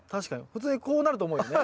普通にこうなると思うよね。